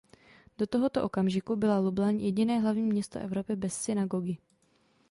Do tohoto okamžiku byla Lublaň jediné hlavní město Evropy bez synagogy.